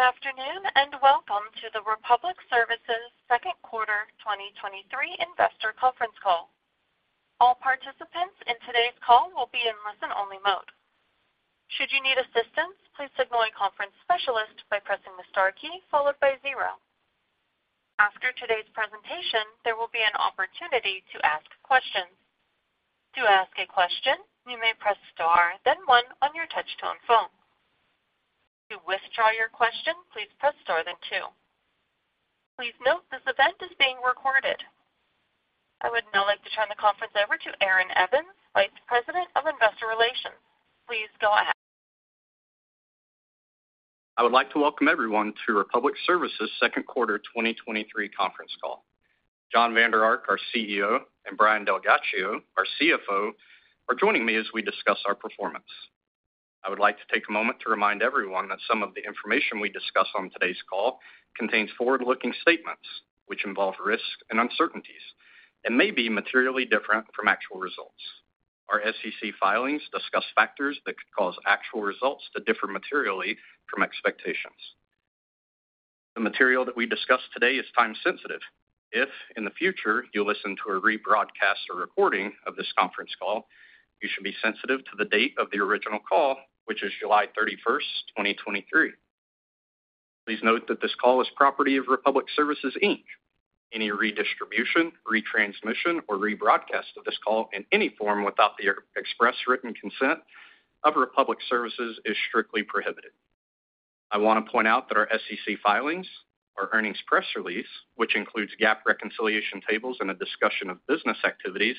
Good afternoon, welcome to the Republic Services Q2 2023 Investor Conference Call. All participants in today's call will be in listen-only mode. Should you need assistance, please signal a conference specialist by pressing the Star key followed by zero. After today's presentation, there will be an opportunity to ask questions. To ask a question, you may press Star, then one on your touch-tone phone. To withdraw your question, please press Star, then two. Please note, this event is being recorded. I would now like to turn the conference over to Aaron Evans, Vice President of Investor Relations. Please go ahead. I would like to welcome everyone to Republic Services Q2 2023 conference call. Jon Vander Ark, our CEO, and Brian DelGhiaccio, our CFO, are joining me as we discuss our performance. I would like to take a moment to remind everyone that some of the information we discuss on today's call contains forward-looking statements, which involve risks and uncertainties and may be materially different from actual results. Our SEC filings discuss factors that could cause actual results to differ materially from expectations. The material that we discuss today is time-sensitive. If, in the future, you listen to a rebroadcast or recording of this conference call, you should be sensitive to the date of the original call, which is 31 July 2023. Please note that this call is property of Republic Services, Inc. Any redistribution, retransmission, or rebroadcast of this call in any form without the express written consent of Republic Services is strictly prohibited. I want to point out that our SEC filings, our earnings press release, which includes GAAP reconciliation tables and a discussion of business activities,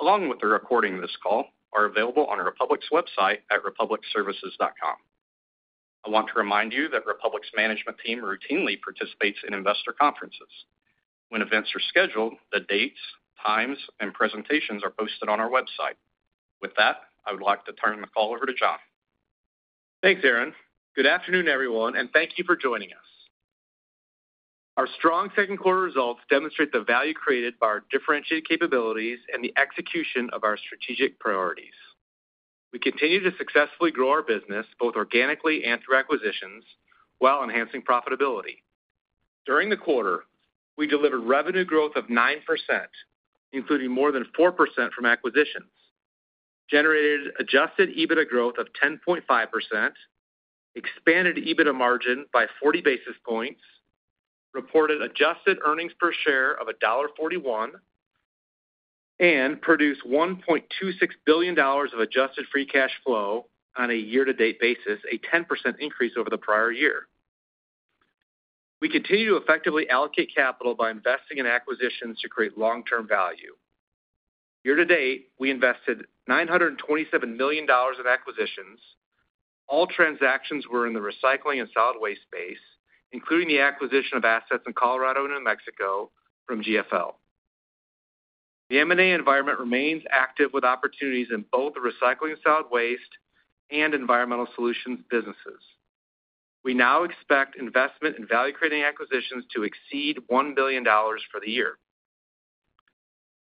along with the recording of this call, are available on our Republic's website at republicservices.com. I want to remind you that Republic's management team routinely participates in investor conferences. When events are scheduled, the dates, times, and presentations are posted on our website. With that, I would like to turn the call over to Jon. Thanks, Aaron. Good afternoon, everyone, and thank you for joining us. Our strong Q2 results demonstrate the value created by our differentiated capabilities and the execution of our strategic priorities. We continue to successfully grow our business, both organically and through acquisitions, while enhancing profitability. During the quarter, we delivered revenue growth of 9%, including more than 4% from acquisitions, generated adjusted EBITDA growth of 10.5%, expanded EBITDA margin by 40 basis points, reported adjusted earnings per share of $1.41, and produced $1.26 billion of adjusted free cash flow on a year-to-date basis, a 10% increase over the prior year. We continue to effectively allocate capital by investing in acquisitions to create long-term value. Year to date, we invested $927 million of acquisitions. All transactions were in the recycling and solid waste space, including the acquisition of assets in Colorado and New Mexico from GFL. The M&A environment remains active with opportunities in both the recycling and solid waste and environmental solutions businesses. We now expect investment in value-creating acquisitions to exceed $1 billion for the year.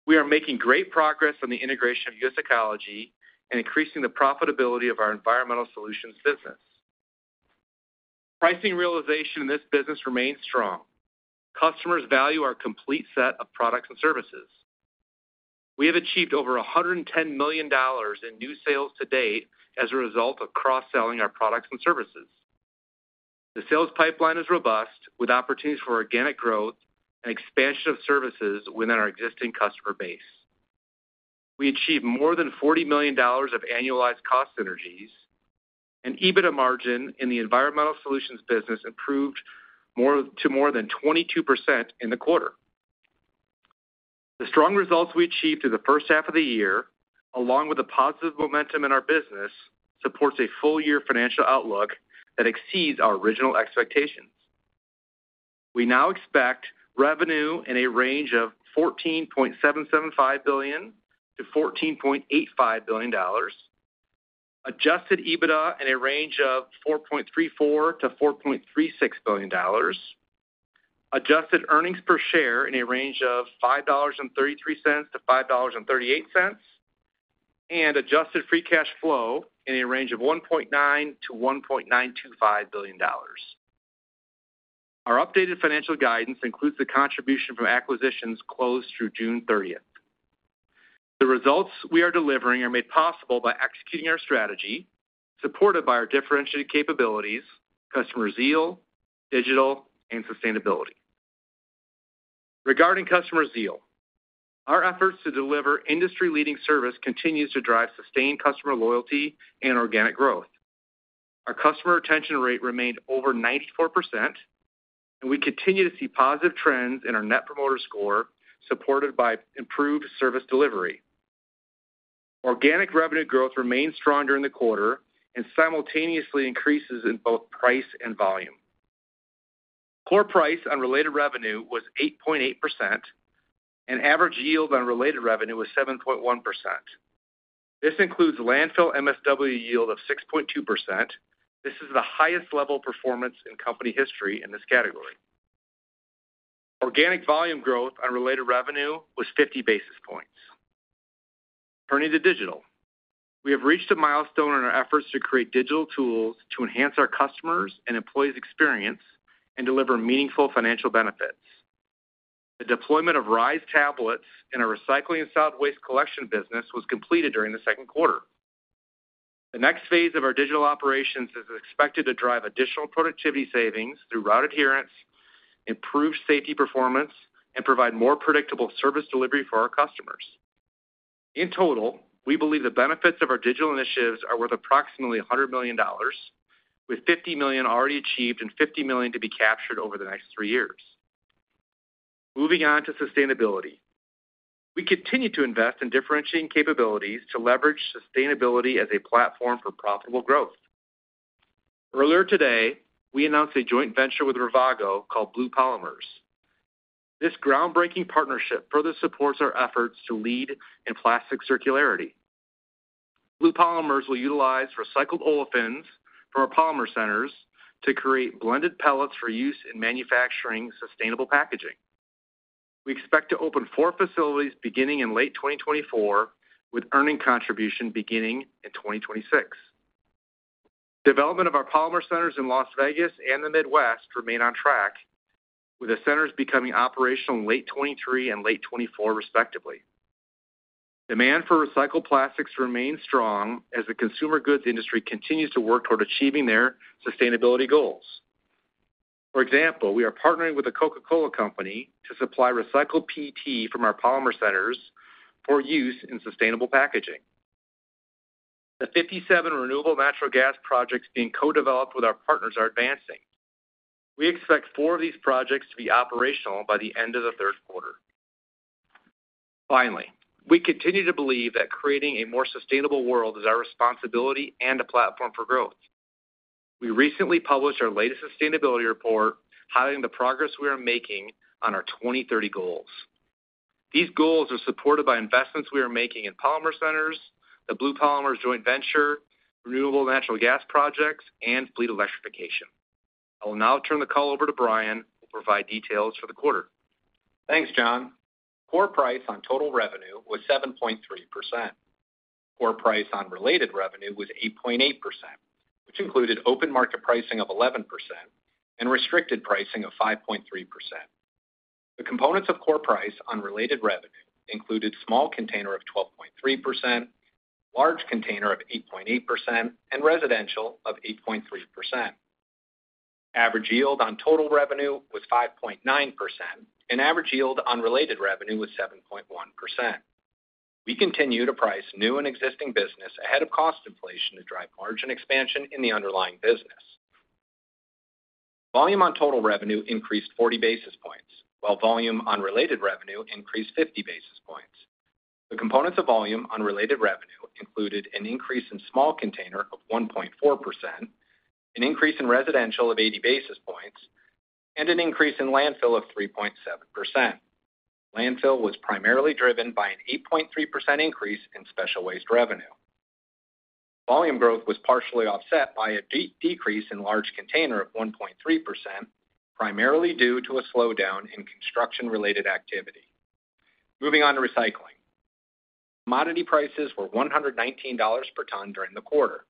We are making great progress on the integration of US Ecology and increasing the profitability of our environmental solutions business. Pricing realization in this business remains strong. Customers value our complete set of products and services. We have achieved over $110 million in new sales to date as a result of cross-selling our products and services. The sales pipeline is robust, with opportunities for organic growth and expansion of services within our existing customer base. We achieved more than $40 million of annualized cost synergies, and EBITDA margin in the environmental solutions business improved to more than 22% in the quarter. The strong results we achieved in the H1 of the year, along with the positive momentum in our business, supports a full-year financial outlook that exceeds our original expectations. We now expect revenue in a range of $14.775 to 14.85 billion, adjusted EBITDA in a range of $4.34 to 4.36 billion, adjusted earnings per share in a range of $5.33 to 5.38, and adjusted free cash flow in a range of $1.9 to 1.925 billion. Our updated financial guidance includes the contribution from acquisitions closed through 30 June. The results we are delivering are made possible by executing our strategy, supported by our differentiated capabilities, Customer Zeal, digital, and sustainability. Regarding Customer Zeal, our efforts to deliver industry-leading service continues to drive sustained customer loyalty and organic growth. Our customer retention rate remained over 94%, and we continue to see positive trends in our Net Promoter Score, supported by improved service delivery. Organic revenue growth remains strong during the quarter and simultaneously increases in both price and volume. Core price on related revenue was 8.8%, and average yield on related revenue was 7.1%. This includes landfill MSW yield of 6.2%. This is the highest level performance in company history in this category. Organic volume growth on related revenue was 50 basis points. Turning to digital. We have reached a milestone in our efforts to create digital tools to enhance our customers and employees experience, and deliver meaningful financial benefits. The deployment of RISE tablets in our recycling and solid waste collection business was completed during the Q2. The next phase of our digital operations is expected to drive additional productivity savings through route adherence, improve safety performance, and provide more predictable service delivery for our customers. In total, we believe the benefits of our digital initiatives are worth approximately $100 million, with $50 million already achieved and $50 million to be captured over the next three years. Moving on to sustainability. We continue to invest in differentiating capabilities to leverage sustainability as a platform for profitable growth. Earlier today, we announced a joint venture with Ravago, called Blue Polymers. This groundbreaking partnership further supports our efforts to lead in plastic circularity. Blue Polymers will utilize recycled olefins from our polymer centers to create blended pellets for use in manufacturing sustainable packaging. We expect to open four facilities beginning in late 2024, with earning contribution beginning in 2026. Development of our polymer centers in Las Vegas and the Midwest remain on track, with the centers becoming operational in late 2023 and late 2024 respectively. Demand for recycled plastics remains strong as the consumer goods industry continues to work toward achieving their sustainability goals. For example, we are partnering with The Coca-Cola Company to supply recycled PET from our polymer centers for use in sustainable packaging. The 57 renewable natural gas projects being co-developed with our partners are advancing. We expect four of these projects to be operational by the end of the Q3. Finally, we continue to believe that creating a more sustainable world is our responsibility and a platform for growth. We recently published our latest sustainability report, highlighting the progress we are making on our 2030 goals. These goals are supported by investments we are making in Polymer Centers, the Blue Polymers joint venture, renewable natural gas projects, and fleet electrification. I will now turn the call over to Brian, who will provide details for the quarter. Thanks, Jon. Core price on total revenue was 7.3%. Core price on related revenue was 8.8%, which included open market pricing of 11% and restricted pricing of 5.3%. The components of core price on related revenue included small container of 12.3%, large container of 8.8%, and residential of 8.3%. Average yield on total revenue was 5.9%, and average yield on related revenue was 7.1%. We continue to price new and existing business ahead of cost inflation to drive margin expansion in the underlying business. Volume on total revenue increased 40 basis points, while volume on related revenue increased 50 basis points. The components of volume on related revenue included an increase in small container of 1.4%, an increase in residential of 80 basis points, and an increase in landfill of 3.7%. Landfill was primarily driven by an 8.3% increase in special waste revenue. Volume growth was partially offset by a decrease in large container of 1.3%, primarily due to a slowdown in construction-related activity. Moving on to recycling. Commodity prices were $119 per ton during the quarter.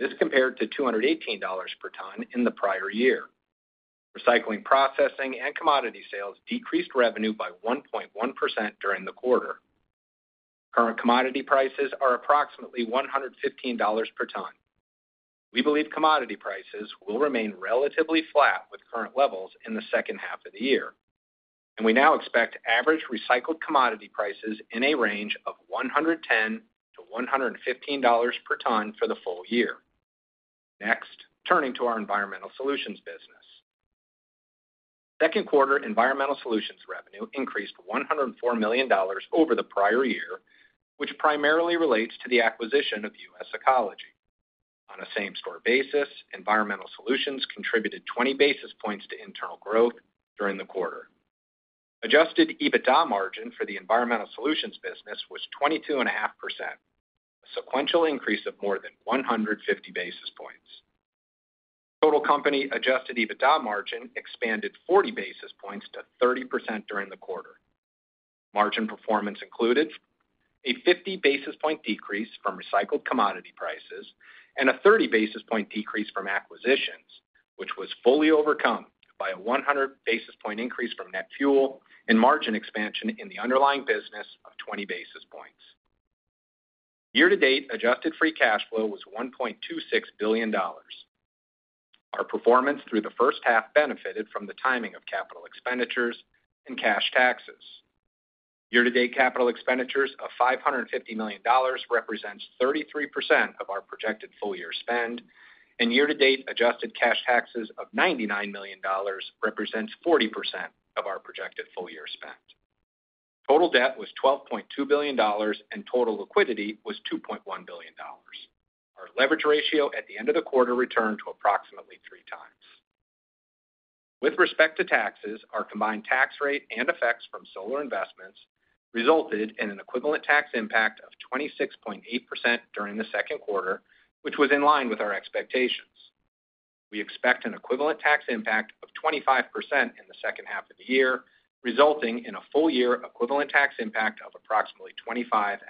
This compared to $218 per ton in the prior year. Recycling, processing, and commodity sales decreased revenue by 1.1% during the quarter. Current commodity prices are approximately $115 per ton. We believe commodity prices will remain relatively flat with current levels in the H2 of the year, and we now expect average recycled commodity prices in a range of $110 to 115 per ton for the full year. Next, turning to our environmental solutions business. Q2 environmental solutions revenue increased $104 million over the prior year, which primarily relates to the acquisition of US Ecology. On a same-store basis, environmental solutions contributed 20 basis points to internal growth during the quarter. Adjusted EBITDA margin for the environmental solutions business was 22.5%, a sequential increase of more than 150 basis points. Total company adjusted EBITDA margin expanded 40 basis points to 30% during the quarter. Margin performance included: a 50 basis point decrease from recycled commodity prices and a 30 basis point decrease from acquisitions, which was fully overcome by a 100 basis point increase from net fuel and margin expansion in the underlying business of 20 basis points. Year-to-date adjusted free cash flow was $1.26 billion. Our performance through the H1 benefited from the timing of capital expenditures and cash taxes. Year-to-date capital expenditures of $550 million represents 33% of our projected full-year spend, and year-to-date adjusted cash taxes of $99 million represents 40% of our projected full-year spend. Total debt was $12.2 billion, and total liquidity was $2.1 billion. Our leverage ratio at the end of the quarter returned to approximately 3 times. With respect to taxes, our combined tax rate and effects from solar investments resulted in an equivalent tax impact of 26.8% during the Q2, which was in line with our expectations. We expect an equivalent tax impact of 25% in the H2 of the year, resulting in a full year equivalent tax impact of approximately 25.5%.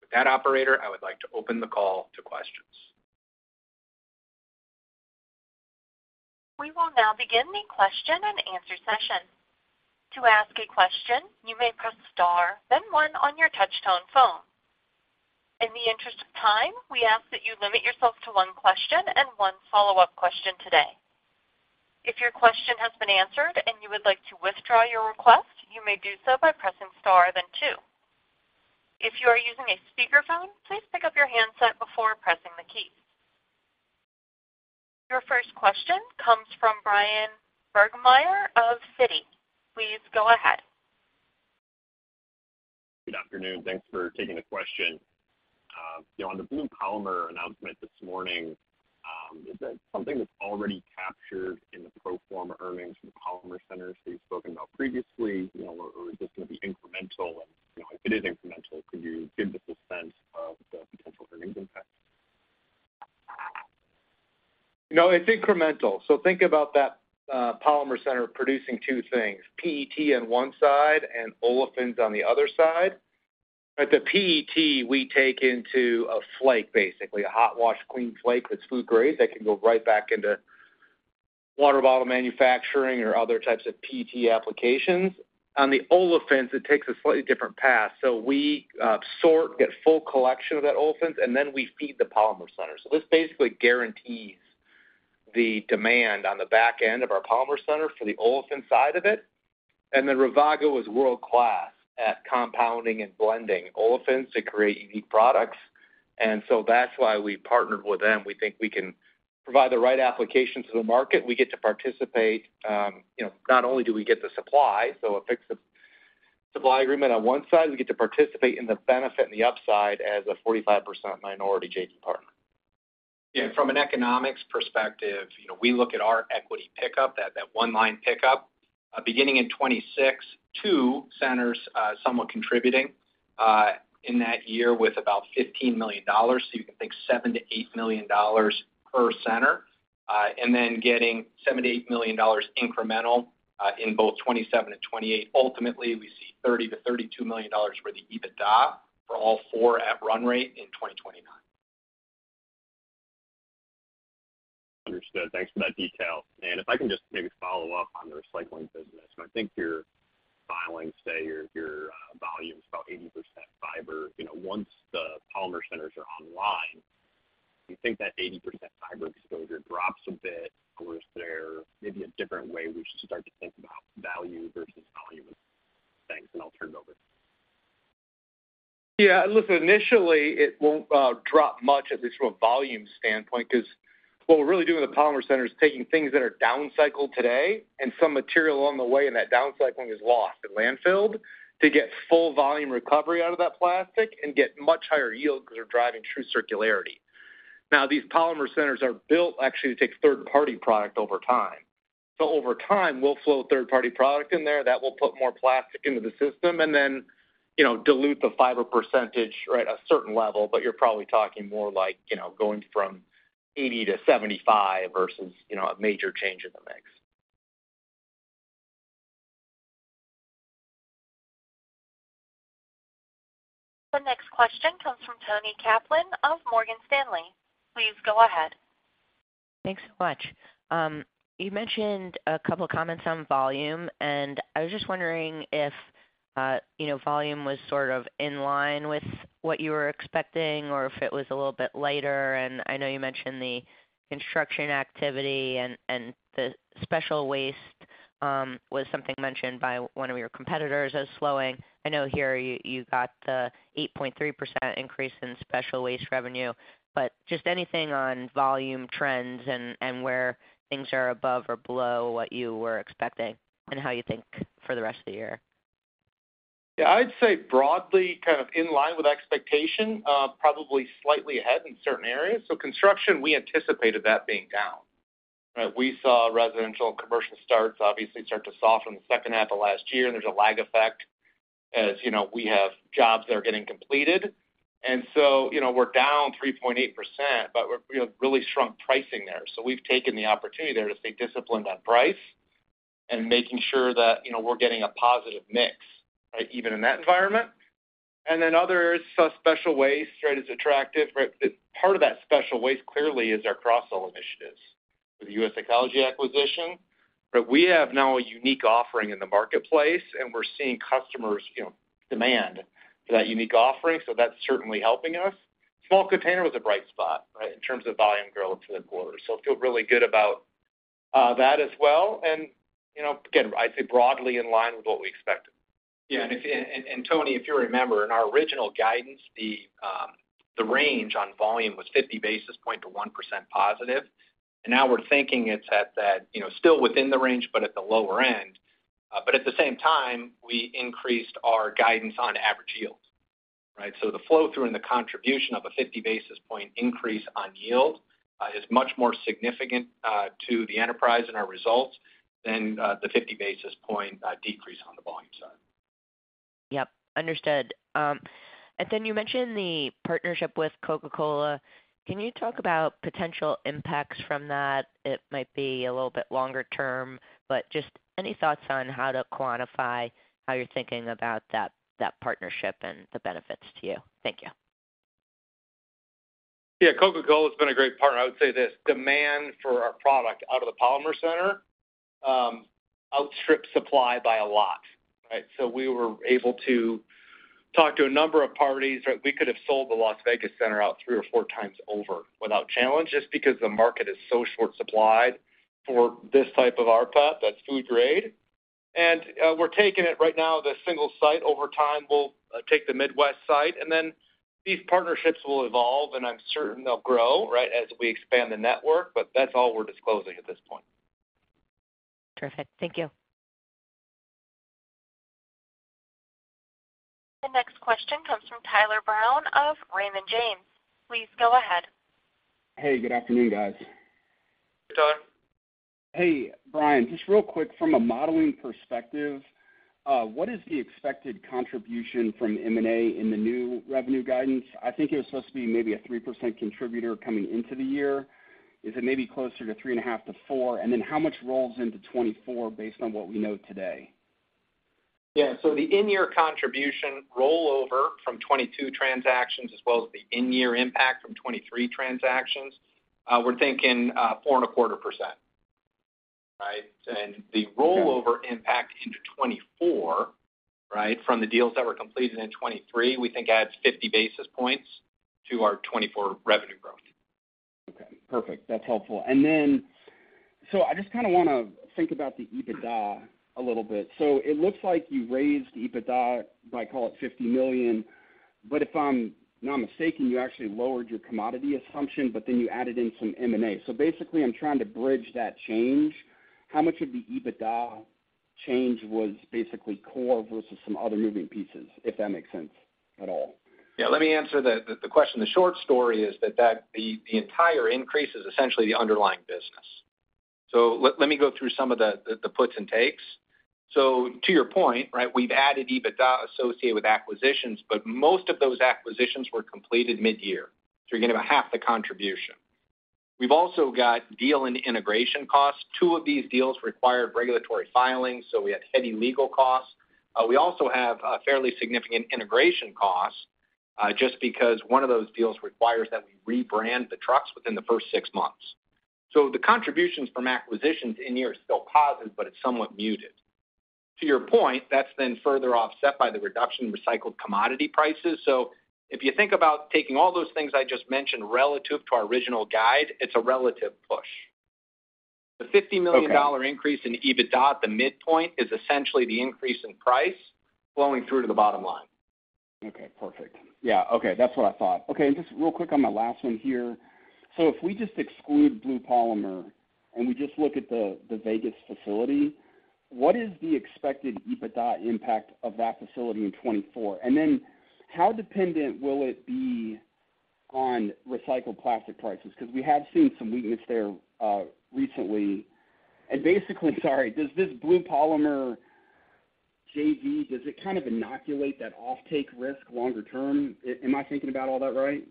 With that, operator, I would like to open the call to questions. We will now begin the question-and-answer session. To ask a question, you may press Star then one on your touchtone phone. In the interest of time, we ask that you limit yourself to one question and one follow-up question today. If your question has been answered and you would like to withdraw your request, you may do so by pressing Star then two. If you are using a speakerphone, please pick up your handset before pressing the keys. Your first question comes from Bryan Burgmeier of Citi. Please go ahead. Good afternoon. Thanks for taking the question. You know, on the Blue Polymers announcement this morning, is that something that's already captured in the pro forma earnings from the Polymer Centers that you've spoken about previously, you know, or is this going to be incremental? You know, if it is incremental, could you give us a sense of the potential earnings impact? No, it's incremental. Think about that, Polymer Center producing two things, PET on one side and olefins on the other side. The PET, we take into a flake, basically, a hot wash, clean flake that's food grade, that can go right back into water bottle manufacturing or other types of PET applications. On the olefins, it takes a slightly different path, so we sort, get full collection of that olefins, and then we feed the Polymer Center. This basically guarantees the demand on the back end of our Polymer Center for the olefin side of it. Ravago is world-class at compounding and blending olefins to create unique products. That's why we partnered with them. We think we can provide the right application to the market. We get to participate, you know, not only do we get the supply, so a fixed supply agreement on one side, we get to participate in the benefit and the upside as a 45% minority JV partner. Yeah, from an economics perspective, you know, we look at our equity pickup, that, that one-line pickup, beginning in 2026, two centers somewhat contributing in that year with about $15 million. So you can think $7 to 8 million per center, and then getting $78 million incremental in both 2027 and 2028. Ultimately, we see $30 to 32 million worth of EBITDA for all four at run rate in 2029. Understood. Thanks for that detail. If I can just maybe follow up on the recycling business. I think your filings say your, your volume is about 80% fiber. You know, once the Polymer Centers are online, do you think that 80% fiber exposure drops a bit, or is there maybe a different way we should start to think about value versus volume? Thanks, I'll turn it over. Yeah, listen, initially, it won't drop much, at least from a volume standpoint, because what we're really doing with the Polymer Center is taking things that are downcycled today and some material along the way, and that downcycling is lost and landfilled to get full volume recovery out of that plastic and get much higher yield because we're driving true circularity. These Polymer Centers are built actually to take third-party product over time. Over time, we'll flow third-party product in there that will put more plastic into the system and then, you know, dilute the fiber percentage, right, a certain level, but you're probably talking more like, you know, going from 80 to 75 versus, you know, a major change in the mix. The next question comes from Toni Kaplan of Morgan Stanley. Please go ahead. Thanks so much. You mentioned a couple of comments on volume, and I was just wondering if, you know, volume was sort of in line with what you were expecting or if it was a little bit lighter. And I know you mentioned the construction activity and, and the special waste, was something mentioned by one of your competitors as slowing. I know here you, you got the 8.3 increase in special waste revenue, but just anything on volume trends and, and where things are above or below what you were expecting and how you think for the rest of the year? Yeah, I'd say broadly kind of in line with expectation, probably slightly ahead in certain areas. Construction, we anticipated that being down. We saw residential and commercial starts obviously start to soften in the H2 of last year, there's a lag effect, as you know, we have jobs that are getting completed. So, you know, we're down 3.8%, but we're, you know, really shrunk pricing there. We've taken the opportunity there to stay disciplined on price and making sure that, you know, we're getting a positive mix, right, even in that environment. Others, so special waste, right, is attractive, right? Part of that special waste clearly is our cross-sell initiatives. With the US Ecology acquisition, right, we have now a unique offering in the marketplace, and we're seeing customers, you know, demand for that unique offering, so that's certainly helping us. Small container was a bright spot, right, in terms of volume growth for the quarter. I feel really good about that as well. You know, again, I'd say broadly in line with what we expected. Yeah, if, and Toni, if you remember in our original guidance, the range on volume was 50 basis point to 1% positive, and now we're thinking it's at that, you know, still within the range, but at the lower end. At the same time, we increased our guidance on average yields, right? The flow-through and the contribution of a 50 basis point increase on yield is much more significant to the enterprise and our results than the 50 basis point decrease on the volume side. Yep, understood. Then you mentioned the partnership with Coca-Cola. Can you talk about potential impacts from that? It might be a little bit longer term, but just any thoughts on how to quantify how you're thinking about that, that partnership and the benefits to you? Thank you. Yeah, Coca-Cola has been a great partner. I would say this, demand for our product out of the Polymer Center, outstrip supply by a lot, right? We were able to talk to a number of parties, right? We could have sold the Las Vegas center out 3 or 4 times over without challenge, just because the market is so short supplied for this type of RPET, that's food grade. We're taking it right now, the single site. Over time, we'll take the Midwest site, and then these partnerships will evolve, and I'm certain they'll grow, right, as we expand the network. That's all we're disclosing at this point. Terrific. Thank you. The next question comes from Tyler Brown of Raymond James. Please go ahead. Hey, good afternoon, guys. Hey, Tyler. Hey, Brian, just real quick, from a modeling perspective, what is the expected contribution from M&A in the new revenue guidance? I think it was supposed to be maybe a 3% contributor coming into the year. Is it maybe closer to 3.5%-4%? Then how much rolls into 2024 based on what we know today? Yeah, the in-year contribution rollover from 22 transactions, as well as the in-year impact from 23 transactions, we're thinking, 4.25%, right? Okay. The rollover impact into 2024, right, from the deals that were completed in 2023, we think adds 50 basis points to our 2024 revenue growth. Okay, perfect. That's helpful. I just kinda wanna think about the EBITDA a little bit. It looks like you raised EBITDA by, call it, $50 million, if I'm not mistaken, you actually lowered your commodity assumption, you added in some M&A. Basically, I'm trying to bridge that change. How much of the EBITDA change was basically core versus some other moving pieces, if that makes sense at all? Yeah, let me answer the question. The short story is that, that the, the entire increase is essentially the underlying business. Let, let me go through some of the, the, the puts and takes. To your point, right, we've added EBITDA associated with acquisitions, but most of those acquisitions were completed mid-year, so you're getting about half the contribution. We've also got deal and integration costs. 2 of these deals required regulatory filings, so we had heavy legal costs. We also have a fairly significant integration cost, just because one of those deals requires that we rebrand the trucks within the first six months. The contributions from acquisitions in year is still positive, but it's somewhat muted. To your point, that's further offset by the reduction in recycled commodity prices. If you think about taking all those things I just mentioned relative to our original guide, it's a relative push. Okay. The $50 million increase in EBITDA at the midpoint is essentially the increase in price flowing through to the bottom line. Okay, perfect. Yeah, okay, that's what I thought. Okay, just real quick on my last one here. If we just exclude Blue Polymer and we just look at the Vegas facility, what is the expected EBITDA impact of that facility in 2024? Then how dependent will it be on recycled plastic prices? Because we have seen some weakness there recently. Basically, sorry, does this Blue Polymer JV, does it kind of inoculate that offtake risk longer term? Am I thinking about all that right?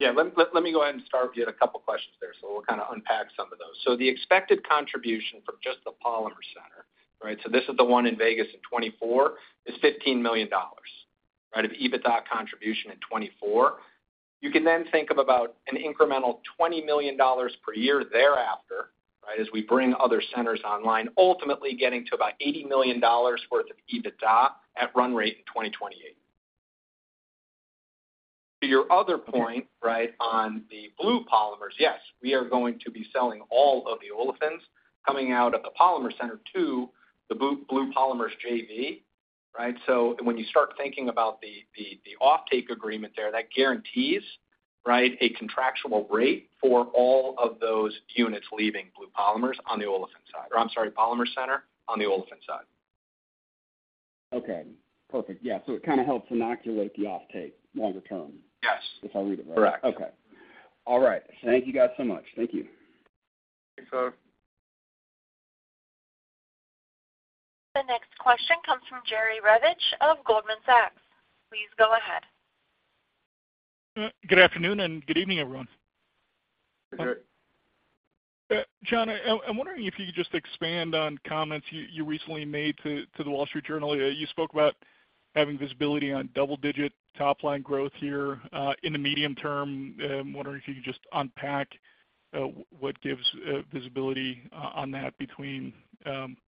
Let me go ahead and start. We had a couple questions there, we'll kind of unpack some of those. The expected contribution from just the Polymer Center, this is the one in Vegas in 2024, is $15 million of EBITDA contribution in 2024. You can think of about an incremental $20 million per year thereafter as we bring other centers online, ultimately getting to about $80 million worth of EBITDA at run rate in 2028. Your other point, on the Blue Polymers, yes, we are going to be selling all of the olefins coming out of the Polymer Center to the Blue Polymers JV. When you start thinking about the, the, the offtake agreement there, that guarantees, right, a contractual rate for all of those units leaving Blue Polymers on the olefin side. I'm sorry, Polymer Center on the olefin side. Okay, perfect. Yeah, it kind of helps inoculate the offtake longer term? Yes. If I read it right. Correct. Okay. All right. Thank you guys so much. Thank you. Thanks, Tyler. The next question comes from Jerry Revich of Goldman Sachs. Please go ahead. Good afternoon, and good evening, everyone. Hey, Jerry. Jon, I, I'm wondering if you could just expand on comments you, you recently made to, to The Wall Street Journal. You spoke about having visibility on double-digit top-line growth here, in the medium term. I'm wondering if you could just unpack what gives visibility on that between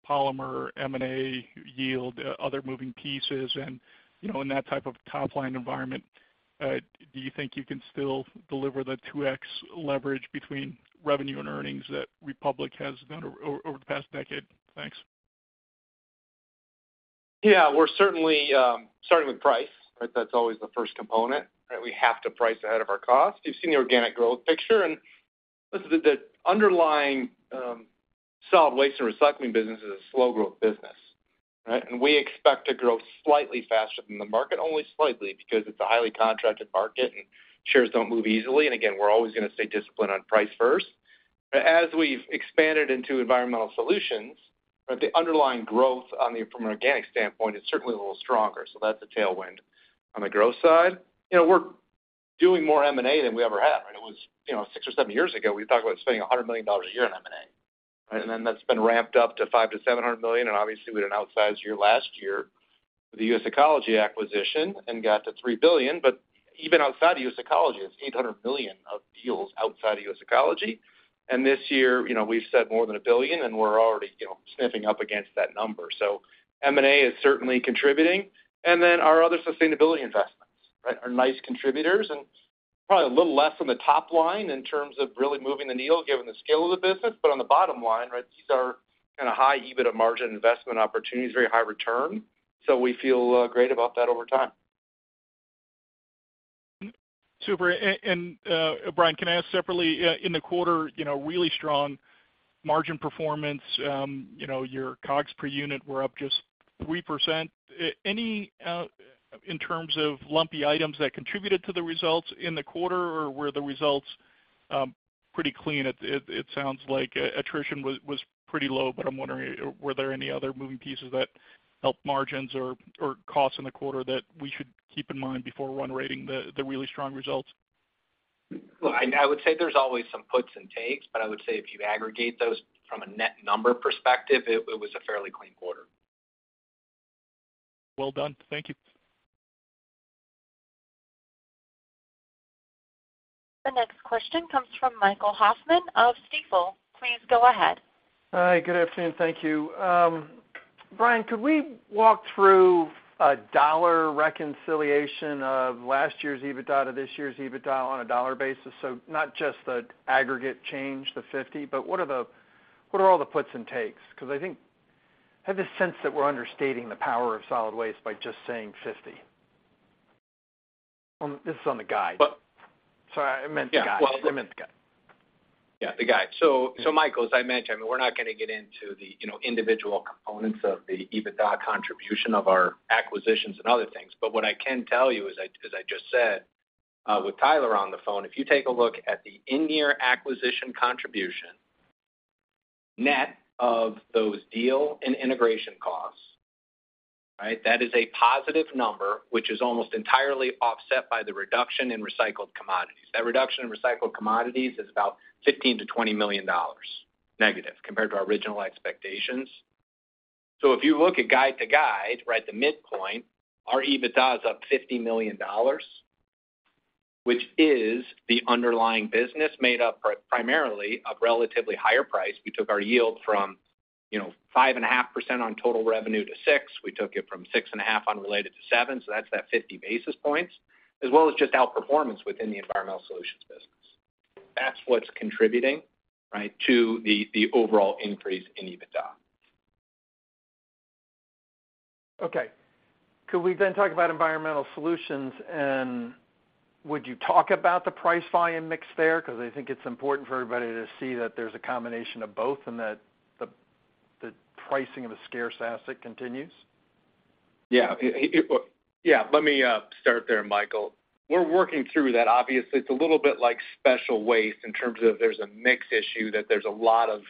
Polymer, M&A, yield, other moving pieces and, you know, in that type of top-line environment, do you think you can still deliver the 2x leverage between revenue and earnings that Republic has done over the past decade? Thanks. Yeah, we're certainly starting with price, right? That's always the first component, right? We have to price ahead of our costs. You've seen the organic growth picture, listen, the underlying solid waste and recycling business is a slow growth business, right? We expect to grow slightly faster than the market, only slightly, because it's a highly contracted market, and shares don't move easily. Again, we're always going to stay disciplined on price first. As we've expanded into environmental solutions, right, the underlying growth on the from an organic standpoint is certainly a little stronger. That's a tailwind. On the growth side, you know, we're doing more M&A than we ever have, right? It was, you know, 6 or 7 years ago, we talked about spending $100 million a year on M&A, right? That's been ramped up to 500 to $700 million, and obviously, we had an outsized year last year with the US Ecology acquisition and got to $3 billion. Even outside US Ecology, it's $800 million of deals outside of US Ecology. This year, you know, we've said more than $1 billion, and we're already, you know, sniffing up against that number. M&A is certainly contributing. Our other sustainability investments, right, are nice contributors and probably a little less on the top line in terms of really moving the needle, given the scale of the business, but on the bottom line, right, these are kind of high EBITDA margin investment opportunities, very high return. We feel great about that over time. Super. Brian, can I ask separately, in the quarter, you know, really strong margin performance, you know, your COGS per unit were up just 3%. Any in terms of lumpy items that contributed to the results in the quarter, or were the results pretty clean? It sounds like attrition was pretty low, but I'm wondering, were there any other moving pieces that helped margins or costs in the quarter that we should keep in mind before run rating the really strong results? Well I would say there's always some puts and takes, but I would say if you aggregate those from a net number perspective, it was a fairly clean quarter. Well done. Thank you. The next question comes from Michael Hoffman of Stifel. Please go ahead. Hi, good afternoon. Thank you. Brian, could we walk through a dollar reconciliation of last year's EBITDA to this year's EBITDA on a dollar basis? Not just the aggregate change, the $50, but what are all the puts and takes? Because I think, I have this sense that we're understating the power of solid waste by just saying $50. This is on the guide. But- Sorry, I meant the guide. Yeah. I meant the guide. Yeah, the guide. Michael, as I mentioned, we're not going to get into the, you know, individual components of the EBITDA contribution of our acquisitions and other things. What I can tell you, as I, as I just said, with Tyler on the phone, if you take a look at the in-year acquisition contribution, net of those deal and integration costs, right? That is a positive number, which is almost entirely offset by the reduction in recycled commodities. That reduction in recycled commodities is about $15 to 20 million negative compared to our original expectations. If you look at guide to guide, right at the midpoint, our EBITDA is up $50 million, which is the underlying business made up primarily of relatively higher price. We took our yield from, you know, 5.5% on total revenue to 6%. We took it from 6.5 unrelated to 7, so that's that 50 basis points, as well as just outperformance within the environmental solutions business. That's what's contributing, right, to the overall increase in EBITDA. Okay. Could we then talk about environmental solutions, and would you talk about the price volume mix there? Because I think it's important for everybody to see that there's a combination of both and that the, the pricing of a scarce asset continues. Yeah, let me start there, Michael. We're working through that. Obviously, it's a little bit like special waste in terms of there's a mix issue, that there's a lot of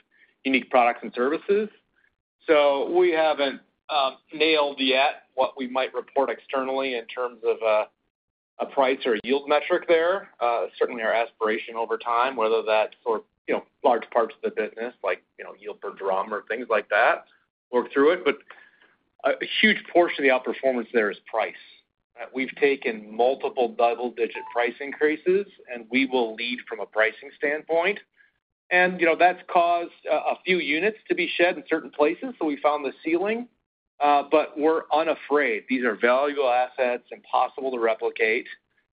unique products and services. We haven't nailed yet what we might report externally in terms of a, a price or a yield metric there. Certainly our aspiration over time, whether that's for, you know, large parts of the business, like, you know, yield per drum or things like that, work through it. A, a huge portion of the outperformance there is price. We've taken multiple double-digit price increases, and we will lead from a pricing standpoint. You know, that's caused a, a few units to be shed in certain places, so we found the ceiling, but we're unafraid. These are valuable assets, impossible to replicate,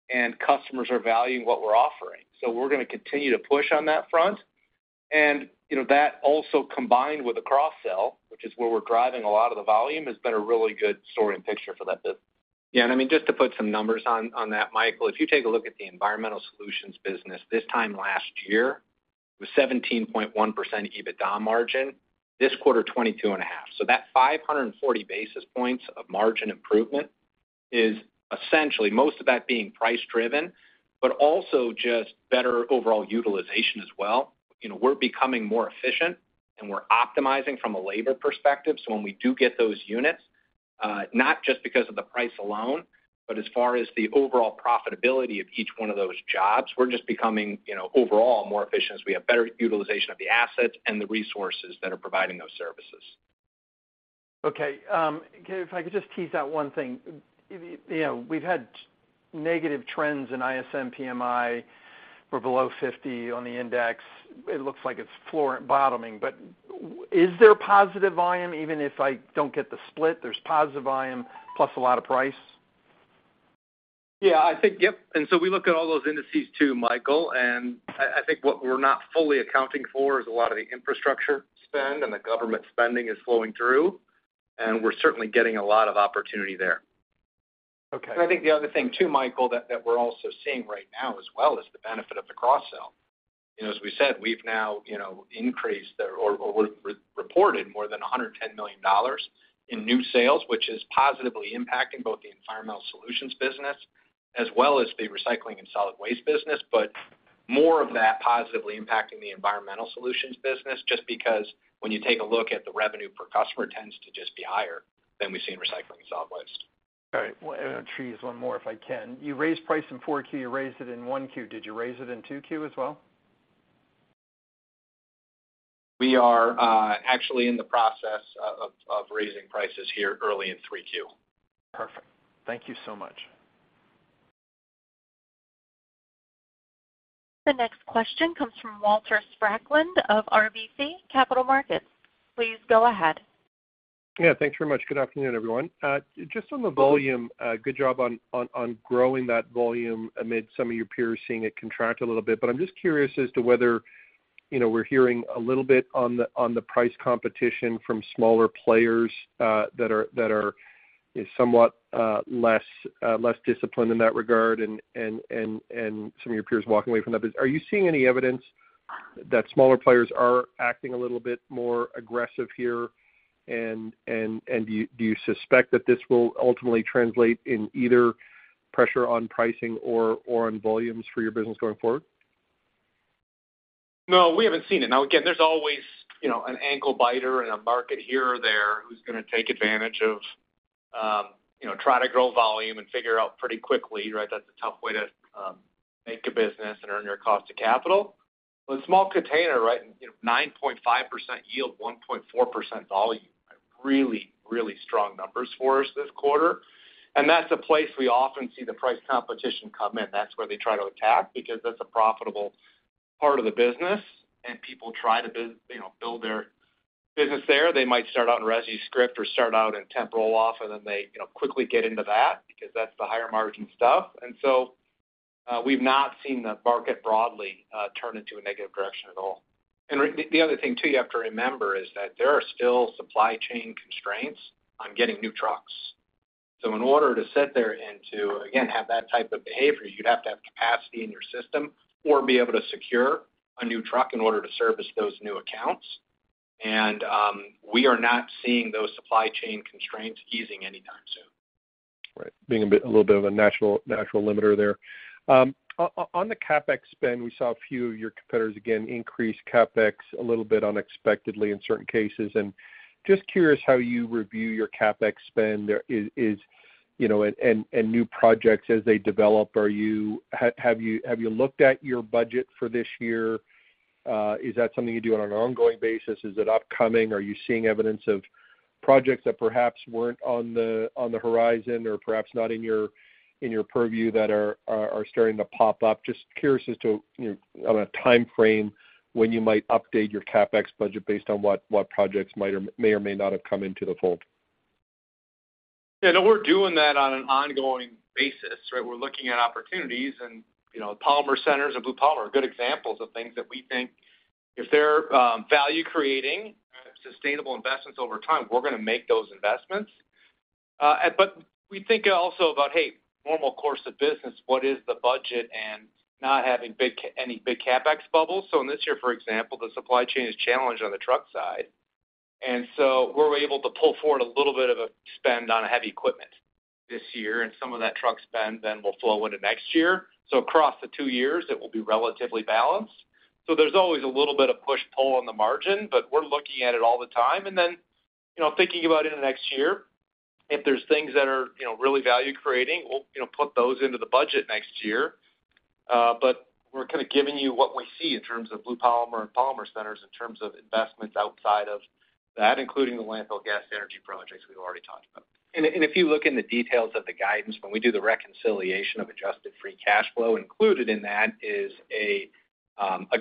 and customers are valuing what we're offering. We're going to continue to push on that front. You know, that also combined with a cross sell, which is where we're driving a lot of the volume, has been a really good sorting picture for that business. I mean, just to put some numbers on that, Michael, if you take a look at the environmental solutions business, this time last year, it was 17.1% EBITDA margin, this quarter, 22.5%. That 540 basis points of margin improvement is essentially most of that being price driven, but also just better overall utilization as well. You know, we're becoming more efficient, and we're optimizing from a labor perspective. When we do get those units, not just because of the price alone, but as far as the overall profitability of each one of those jobs, we're just becoming, you know, overall, more efficient as we have better utilization of the assets and the resources that are providing those services. Okay, if I could just tease out one thing. You know, we've had negative trends in ISM PMI. We're below 50 on the index. It looks like it's floor bottoming, but is there positive volume, even if I don't get the split, there's positive volume plus a lot of price? Yeah, I think, yep. We look at all those indices, too, Michael, and I, I think what we're not fully accounting for is a lot of the infrastructure spend and the government spending is flowing through, and we're certainly getting a lot of opportunity there. Okay. I think the other thing, too, Michael, that we're also seeing right now as well, is the benefit of the cross sell. You know, as we said, we've now, you know, increased or we've re-reported more than $110 million in new sales, which is positively impacting both the Environmental Solutions business as well as the Recycling and Solid Waste business. More of that positively impacting the Environmental Solutions business, just because when you take a look at the revenue per customer, it tends to just be higher than we see in Recycling and Solid Waste. All right. Well, let me squeeze one more, if I can. You raised price in 4Q, you raised it in 1Q, did you raise it in 2Q as well? We are, actually in the process of raising prices here early in 3Q. Perfect. Thank you so much. The next question comes from Walter Spracklin of RBC Capital Markets. Please go ahead. Yeah, thanks very much. Good afternoon, everyone. Just on the volume, good job on, on, on growing that volume amid some of your peers seeing it contract a little bit. I'm just curious as to whether, you know, we're hearing a little bit on the, on the price competition from smaller players, that are, that are somewhat, less, less disciplined in that regard, and, and, and, and some of your peers walking away from that. Are you seeing any evidence that smaller players are acting a little bit more aggressive here? Do you, do you suspect that this will ultimately translate in either pressure on pricing or, or on volumes for your business going forward? No, we haven't seen it. Again, there's always, you know, an ankle biter in a market here or there, who's gonna take advantage of, you know, try to grow volume and figure out pretty quickly, right? That's a tough way to make a business and earn your cost of capital. Small container, right, you know, 9.5% yield, 1.4% volume, are really, really strong numbers for us this quarter. That's a place we often see the price competition come in. That's where they try to attack, because that's a profitable part of the business, and people try to you know, build their business there. They might start out in resi script or start out in temp roll-off, and then they, you know, quickly get into that because that's the higher margin stuff. We've not seen the market broadly turn into a negative direction at all. The other thing, too, you have to remember is that there are still supply chain constraints on getting new trucks. In order to sit there and to, again, have that type of behavior, you'd have to have capacity in your system or be able to secure a new truck in order to service those new accounts. We are not seeing those supply chain constraints easing anytime soon. Right, being a bit, a little bit of a natural, natural limiter there. On the CapEx spend, we saw a few of your competitors, again, increase CapEx a little bit unexpectedly in certain cases. Just curious how you review your CapEx spend. There is, you know, and new projects as they develop, are you, have you looked at your budget for this year? Is that something you do on an ongoing basis? Is it upcoming? Are you seeing evidence of projects that perhaps weren't on the horizon or perhaps not in your purview that are starting to pop up? Just curious as to, you know, on a time frame, when you might update your CapEx budget based on what projects might or may or may not have come into the fold. Yeah, no, we're doing that on an ongoing basis, right? We're looking at opportunities, and, you know, Polymer Centers and Blue Polymer are good examples of things that we think if they're value creating, sustainable investments over time, we're gonna make those investments. But we think also about, hey, normal course of business, what is the budget? Not having any big CapEx bubbles. In this year, for example, the supply chain is challenged on the truck side, and so we're able to pull forward a little bit of a spend on heavy equipment this year, and some of that truck spend then will flow into next year. Across the two years, it will be relatively balanced. There's always a little bit of push-pull on the margin, but we're looking at it all the time. Then, you know, thinking about it next year, if there's things that are, you know, really value creating, we'll, you know, put those into the budget next year. But we're kind of giving you what we see in terms of Blue Polymer and Polymer Centers, in terms of investments outside of that, including the landfill gas energy projects we've already talked about. If you look in the details of the guidance, when we do the reconciliation of adjusted free cash flow, included in that is a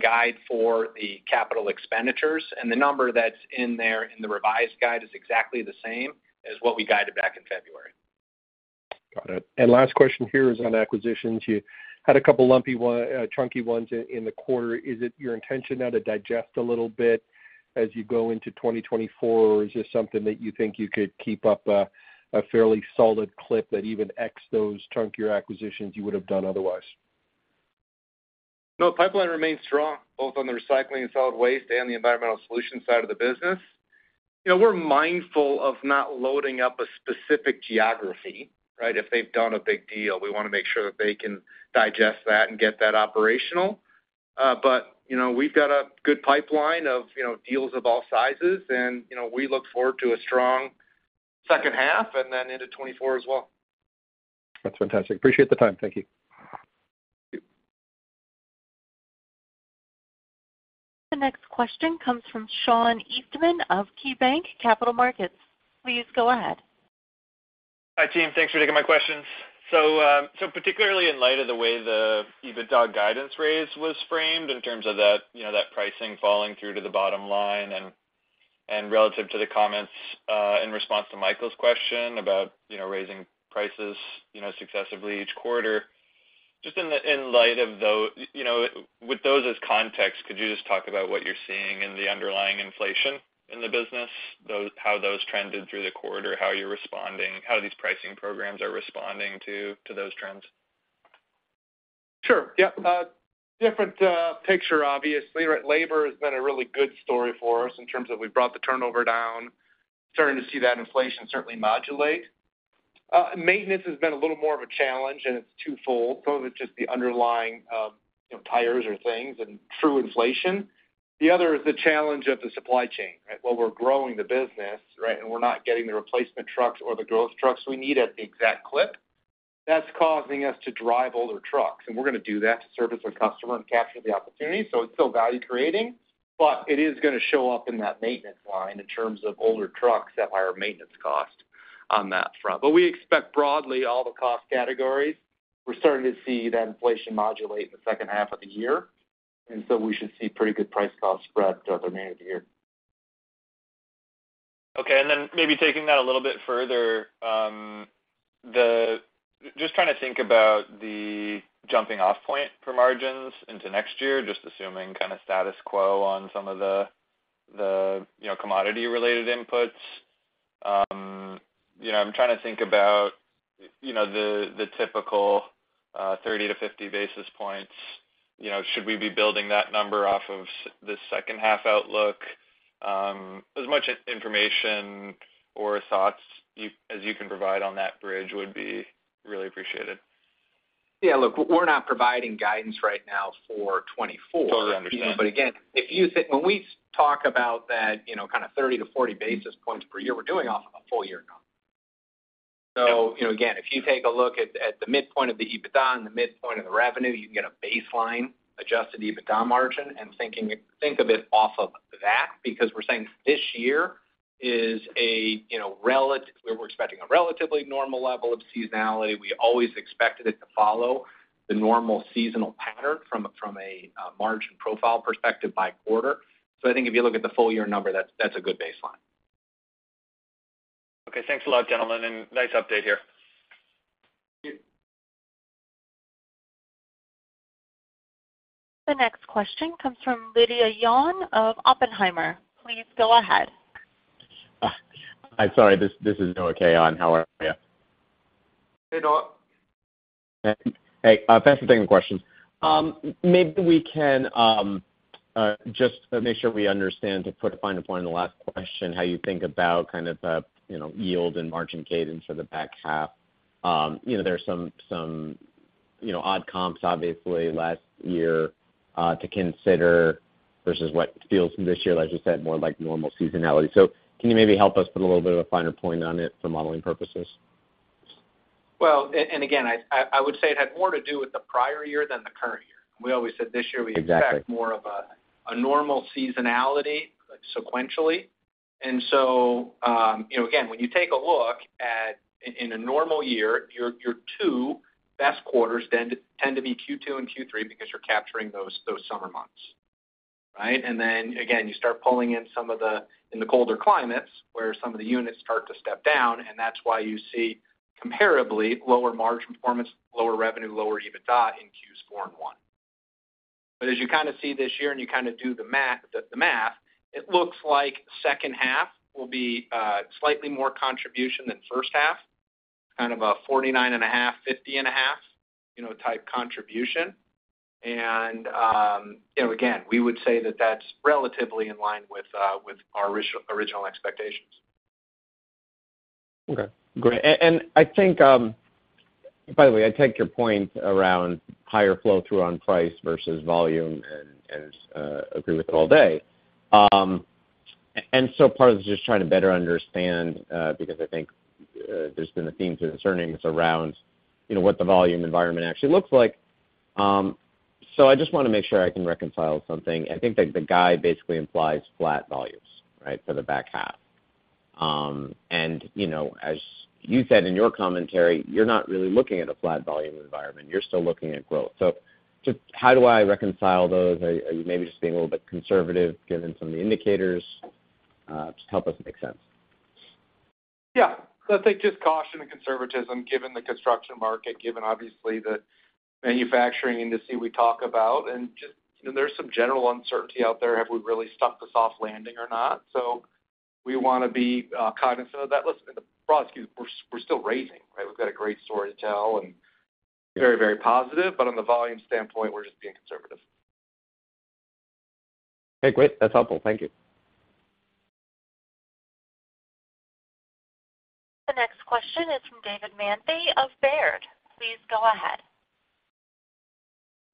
guide for the capital expenditures, and the number that's in there in the revised guide is exactly the same as what we guided back in February. Got it. Last question here is on acquisitions. You had a couple lumpy chunky ones in the quarter. Is it your intention now to digest a little bit as you go into 2024? Or is this something that you think you could keep up a fairly solid clip that even X those chunkier acquisitions you would have done otherwise? No, pipeline remains strong, both on the recycling and solid waste and the environmental solutions side of the business. You know, we're mindful of not loading up a specific geography, right? If they've done a big deal, we wanna make sure that they can digest that and get that operational. You know, we've got a good pipeline of, you know, deals of all sizes, and, you know, we look forward to a strong H2 and then into 2024 as well. That's fantastic. Appreciate the time. Thank you. Thank you. The next question comes from Sean Eastman of KeyBanc Capital Markets. Please go ahead. Hi, team. Thanks for taking my questions. Particularly in light of the way the EBITDA guidance raise was framed in terms of that, you know, that pricing falling through to the bottom line and, and relative to the comments in response to Michael's question about, you know, raising prices, you know, successively each quarter. Just in light of, you know, with those as context, could you just talk about what you're seeing in the underlying inflation in the business? How those trended through the quarter, how you're responding, how these pricing programs are responding to, to those trends? Sure. Yeah. different picture, obviously, right? Labor has been a really good story for us in terms of we brought the turnover down. Starting to see that inflation certainly modulate. Maintenance has been a little more of a challenge, and it's twofold. One, just the underlying, you know, tires or things and true inflation. The other is the challenge of the supply chain, right? While we're growing the business, right, and we're not getting the replacement trucks or the growth trucks we need at the exact clip, that's causing us to drive older trucks, and we're going to do that to service our customer and capture the opportunity. It's still value creating, but it is going to show up in that maintenance line in terms of older trucks at higher maintenance cost on that front. We expect broadly, all the cost categories, we're starting to see that inflation modulate in the H2 of the year, and so we should see pretty good price cost spread the remainder of the year. Okay. Then maybe taking that a little bit further, just trying to think about the jumping off point for margins into next year, just assuming kind of status quo on some of the, the, you know, commodity-related inputs. You know, I'm trying to think about, you know, the, the typical 30 to 50 basis points. You know, should we be building that number off of the H2 outlook? As much information or thoughts as you can provide on that bridge would be really appreciated. Yeah, look, we're not providing guidance right now for 2024. Totally understand. Again, if you think, when we talk about that, you know, kind of 30 to 40 basis points per year, we're doing off a full year count. You know, again, if you take a look at, at the midpoint of the EBITDA and the midpoint of the revenue, you can get a baseline adjusted EBITDA margin and think of it off of that, because we're saying this year is, you know, where we're expecting a relatively normal level of seasonality. We always expected it to follow the normal seasonal pattern from a, from a margin profile perspective by quarter. I think if you look at the full year number, that's, that's a good baseline. Okay. Thanks a lot, gentlemen, and nice update here. Thank you. The next question comes from Noah Kaye of Oppenheimer. Please go ahead. Hi, sorry, this, this is Noah Kaye on. How are you? Hey, Noah. Hey, thanks for taking the questions. Maybe we can, just to make sure we understand, to put a finer point on the last question, how you think about kind of the, you know, yield and margin cadence for the back half. You know, there are some, some, you know, odd comps, obviously, last year, to consider versus what feels this year, like you said, more like normal seasonality. Can you maybe help us put a little bit of a finer point on it for modeling purposes? Well, and again, I would say it had more to do with the prior year than the current year. We always said this year. Exactly we expect more of a, a normal seasonality sequentially. you know, again, when you take a look at, in, in a normal year, your, your 2 best quarters tend, tend to be Q2 and Q3 because you're capturing those, those summer months, right? again, you start pulling in some of the, in the colder climates, where some of the units start to step down, and that's why you see comparably lower margin performance, lower revenue, lower EBITDA in Qs 4 and 1. as you kind of see this year, and you kind of do the math, the, the math, it looks like H2 will be, slightly more contribution than H1, kind of a 49.5, 50.5, you know, type contribution. you know, again, we would say that that's relatively in line with, with our original expectations. Okay, great. I think, by the way, I take your point around higher flow-through on price versus volume and agree with it all day. So part of this is just trying to better understand, because I think, there's been a theme to the earnings around, you know, what the volume environment actually looks like. So I just want to make sure I can reconcile something. I think the, the guide basically implies flat volumes, right, for the back half. You know, as you said in your commentary, you're not really looking at a flat volume environment. You're still looking at growth. So just how do I reconcile those? Are you maybe just being a little bit conservative, given some of the indicators? Just help us make sense. Yeah. I think just caution and conservatism, given the construction market, given obviously the manufacturing industry we talk about, and just, you know, there's some general uncertainty out there. Have we really stuck the soft landing or not? We want to be cognizant of that. Listen, in the broad scheme, we're, we're still raising, right? We've got a great story to tell and very, very positive, on the volume standpoint, we're just being conservative. Okay, great. That's helpful. Thank you. The next question is from David Manthey of Baird. Please go ahead.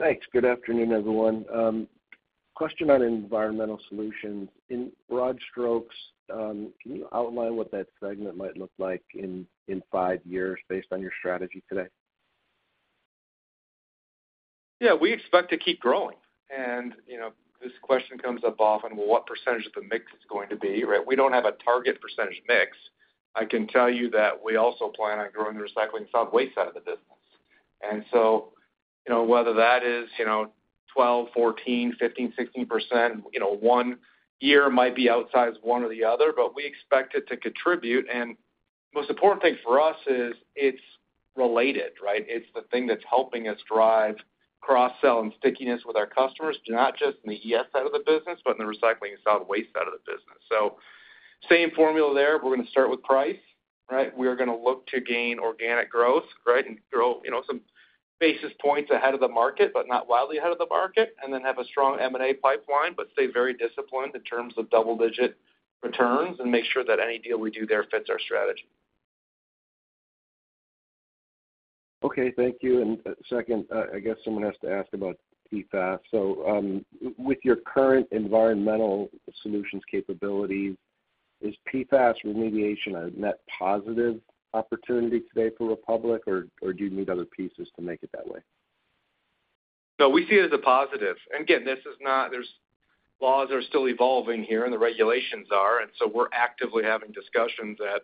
Thanks. Good afternoon, everyone. Question on environmental solutions. In broad strokes, can you outline what that segment might look like in, in five years based on your strategy today? Yeah, we expect to keep growing. You know, this question comes up often, what percentage of the mix is going to be, right? We don't have a target percentage mix. I can tell you that we also plan on growing the recycling solid waste side of the business. You know, whether that is, you know, 12%, 14%, 15%, 16%, you know, one year might be outsized one or the other, but we expect it to contribute. The most important thing for us is it's related, right? It's the thing that's helping us drive cross-sell and stickiness with our customers, not just in the ES side of the business, but in the recycling and solid waste side of the business. Same formula there. We're going to start with price, right? We are going to look to gain organic growth, right, and grow, you know. basis points ahead of the market, but not wildly ahead of the market, and then have a strong M&A pipeline, but stay very disciplined in terms of double-digit returns and make sure that any deal we do there fits our strategy. Okay, thank you. Second, I guess someone has to ask about PFAS. With your current environmental solutions capability, is PFAS remediation a net positive opportunity today for Republic, or do you need other pieces to make it that way? No, we see it as a positive. Again, this is not, there's laws are still evolving here, and the regulations are, and so we're actively having discussions at,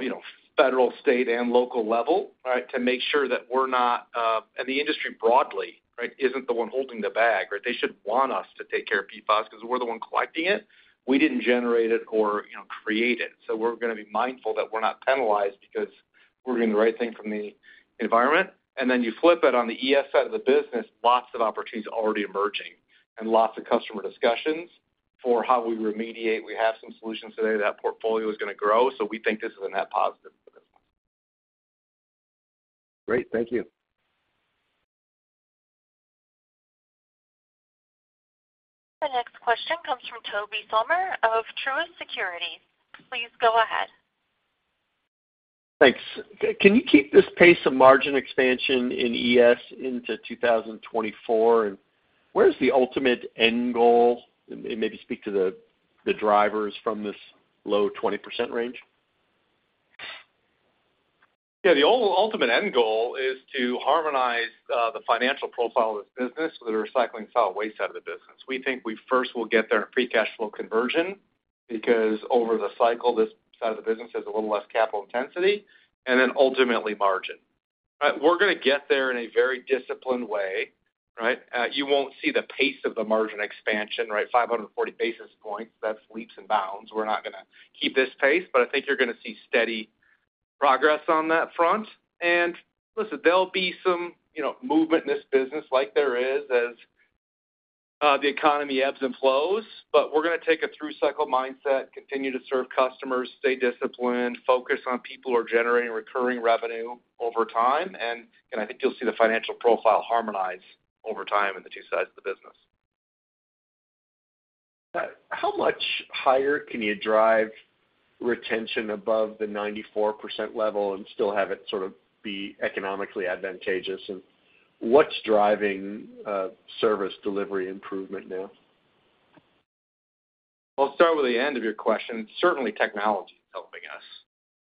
you know, federal, state, and local level, right? To make sure that we're not, and the industry broadly, right, isn't the one holding the bag, right? They should want us to take care of PFAS because we're the one collecting it. We didn't generate it or, you know, create it. We're gonna be mindful that we're not penalized because we're doing the right thing from the environment. Then you flip it on the ES side of the business, lots of opportunities already emerging and lots of customer discussions for how we remediate. We have some solutions today. That portfolio is gonna grow, so we think this is a net positive for this one. Great. Thank you. The next question comes from Tobey Sommer of Truist Securities. Please go ahead. Thanks. Can you keep this pace of margin expansion in ES into 2024? Where's the ultimate end goal? Maybe speak to the drivers from this low 20% range. Yeah, the ultimate end goal is to harmonize the financial profile of this business with the recycling solid waste out of the business. We think we first will get there in free cash flow conversion, because over the cycle, this side of the business has a little less capital intensity, and then ultimately margin, right? We're gonna get there in a very disciplined way, right? You won't see the pace of the margin expansion, right? 540 basis points, that's leaps and bounds. We're not gonna keep this pace, but I think you're gonna see steady progress on that front. Listen, there'll be some, you know, movement in this business like there is as the economy ebbs and flows, but we're gonna take a through cycle mindset, continue to serve customers, stay disciplined, focus on people who are generating recurring revenue over time, and, and I think you'll see the financial profile harmonize over time in the two sides of the business. How much higher can you drive retention above the 94% level and still have it sort of be economically advantageous? What's driving service delivery improvement now? I'll start with the end of your question. Certainly, technology is helping us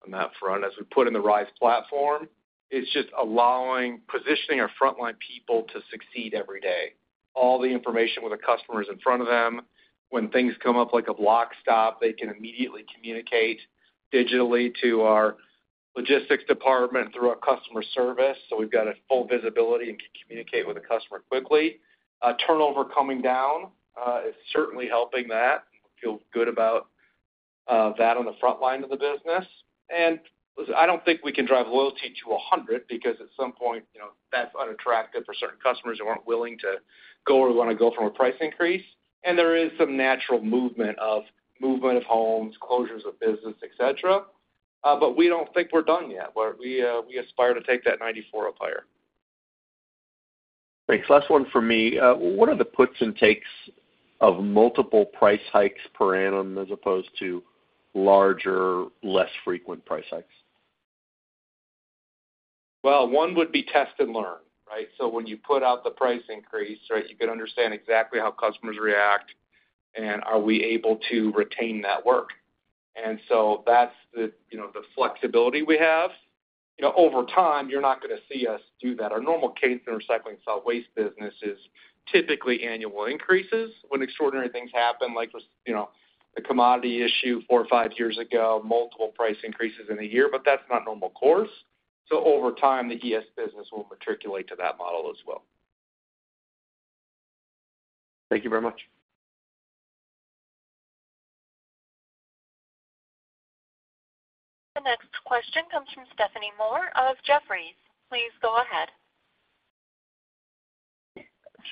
on that front. As we put in the RISE platform, it's just allowing positioning our frontline people to succeed every day. All the information with the customer is in front of them. When things come up like a block stop, they can immediately communicate digitally to our logistics department through our customer service, so we've got a full visibility and can communicate with the customer quickly. Turnover coming down is certainly helping that. Feel good about that on the frontline of the business. Listen, I don't think we can drive loyalty to 100, because at some point, you know, that's unattractive for certain customers who aren't willing to go or want to go from a price increase. There is some natural movement of movement of homes, closures of business, et cetera. We don't think we're done yet, but we, we aspire to take that 94 up higher. Thanks. Last one for me. What are the puts and takes of multiple price hikes per annum as opposed to larger, less frequent price hikes? Well, one would be test and learn, right? When you put out the price increase, right, you can understand exactly how customers react and are we able to retain that work. That's the, you know, the flexibility we have. You know, over time, you're not gonna see us do that. Our normal case in recycling solid waste business is typically annual increases. When extraordinary things happen, like, you know, the commodity issue four or five years ago, multiple price increases in a year, that's not normal course. Over time, the ES business will matriculate to that model as well. Thank you very much. The next question comes from Stephanie Moore of Jefferies. Please go ahead.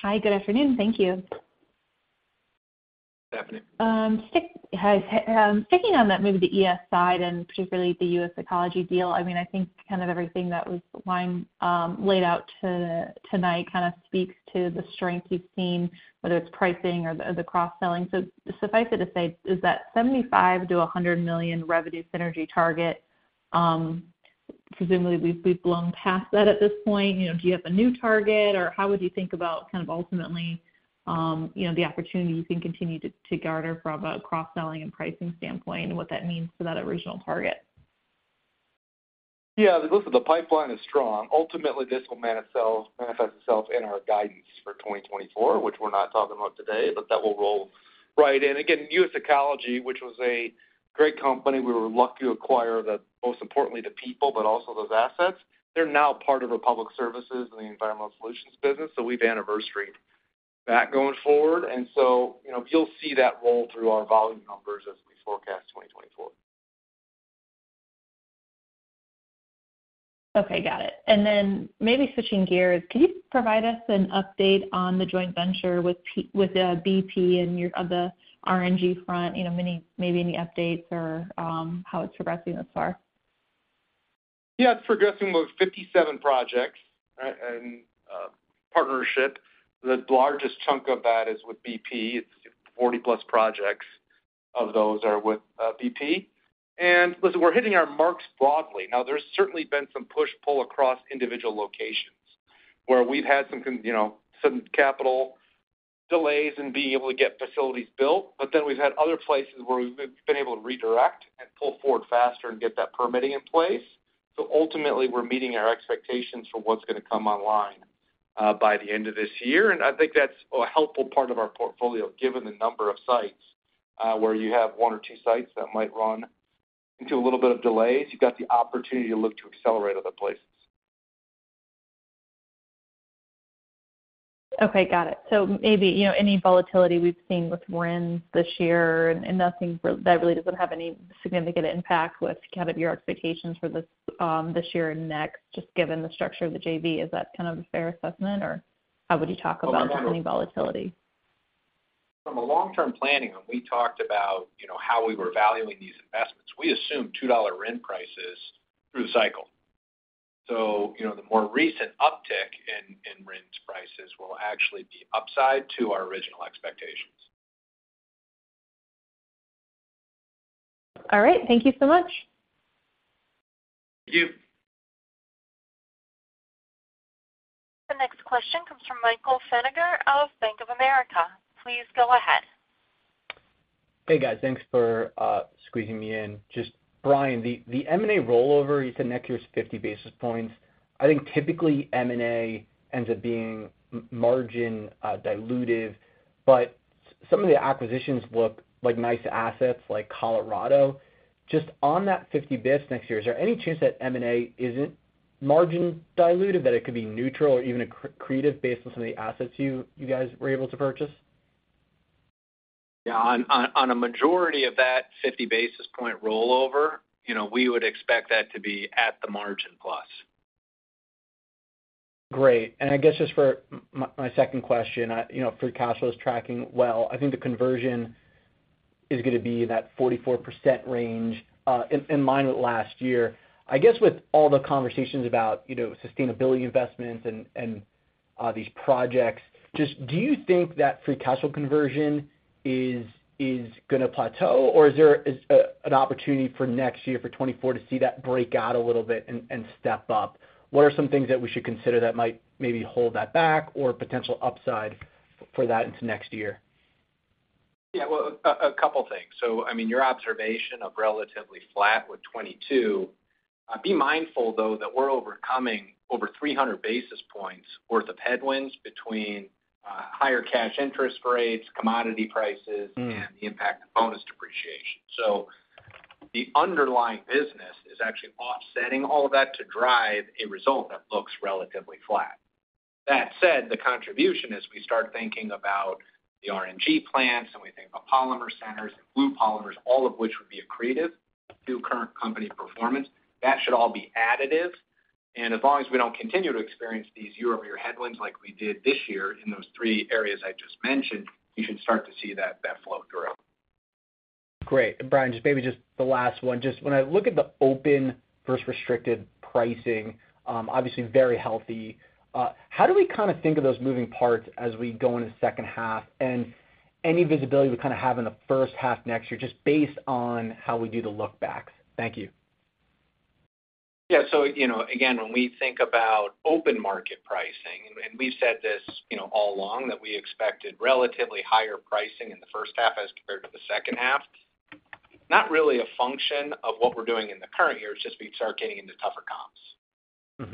Hi, good afternoon. Thank you. Stephanie. Sticking on that maybe the ES side and particularly the US Ecology deal, I mean, I think kind of everything that was lying, laid out tonight kind of speaks to the strength you've seen, whether it's pricing or the, the cross-selling. Suffice it to say, is that $75 to 100 million revenue synergy target, presumably, we've, we've blown past that at this point. You know, do you have a new target, or how would you think about kind of ultimately, you know, the opportunity you think continued to, to garner from a cross-selling and pricing standpoint and what that means for that original target? Look, the pipeline is strong. Ultimately, this will manifest, manifest itself in our guidance for 2024, which we're not talking about today, but that will roll right in. US Ecology, which was a great company, we were lucky to acquire the, most importantly, the people, but also those assets. They're now part of Republic Services and the Environmental Solutions business, so we've anniversaried that going forward. You know, you'll see that roll through our volume numbers as we forecast 2024. Okay, got it. Then maybe switching gears, could you provide us an update on the joint venture with BP of the RNG front? You know, maybe any updates or how it's progressing thus far? Yeah, it's progressing with 57 projects, right, and partnership. The largest chunk of that is with BP. It's 40-plus projects of those are with BP. Listen, we're hitting our marks broadly. Now, there's certainly been some push-pull across individual locations, where we've had some you know, some capital delays in being able to get facilities built, but then we've had other places where we've been, been able to redirect and pull forward faster and get that permitting in place. Ultimately, we're meeting our expectations for what's going to come online by the end of this year. I think that's a helpful part of our portfolio, given the number of sites, where you have one or two sites that might run into a little bit of delays. You've got the opportunity to look to accelerate other places. Okay, got it. Maybe, you know, any volatility we've seen with RINs this year and, that really doesn't have any significant impact with kind of your expectations for this, this year and next, just given the structure of the JV. Is that kind of a fair assessment, or how would you talk about any volatility? From a long-term planning, when we talked about, you know, how we were valuing these investments, we assumed $2 RIN prices through the cycle. You know, the more recent uptick in, in RINs prices will actually be upside to our original expectations. All right. Thank you so much. Thank you. The next question comes from Michael Feniger of Bank of America. Please go ahead. Hey, guys, thanks for squeezing me in. Just Brian, the, the M&A rollover, you said next year is 50 basis points. I think typically M&A ends up being margin dilutive, but some of the acquisitions look like nice assets, like Colorado. Just on that 50 basis next year, is there any chance that M&A isn't margin dilutive, that it could be neutral or even accretive based on some of the assets you, you guys were able to purchase? Yeah, on, on, on a majority of that 50 basis point rollover, you know, we would expect that to be at the margin plus. Great. I guess just for my second question, I, you know, free cash flow is tracking well. I think the conversion is going to be in that 44% range, in line with last year. I guess with all the conversations about, you know, sustainability investments and these projects, just do you think that free cash flow conversion is going to plateau, or is there an opportunity for next year for 2024 to see that break out a little bit and step up? What are some things that we should consider that might maybe hold that back or potential upside for that into next year? Yeah, well, a couple of things. So I mean, your observation of relatively flat with 2022. Be mindful, though, that we're overcoming over 300 basis points worth of headwinds between higher cash interest rates, commodity prices- Mm. and the impact of bonus depreciation. The underlying business is actually offsetting all of that to drive a result that looks relatively flat. That said, the contribution, as we start thinking about the RNG plants, and we think about Polymer Centers and Blue Polymers, all of which would be accretive to current company performance, that should all be additive. As long as we don't continue to experience these year-over-year headwinds like we did this year in those three areas I just mentioned, you should start to see that, that flow grow. Great. Brian, just maybe just the last one. Just when I look at the open versus restricted pricing, obviously very healthy. How do we kind of think of those moving parts as we go into the H2? Any visibility we kind of have in the H1 next year, just based on how we do the look backs. Thank you. Yeah, you know, again, when we think about open market pricing, and we've said this, you know, all along, that we expected relatively higher pricing in the H1 as compared to the H2, not really a function of what we're doing in the current year. It's just we start getting into tougher comps.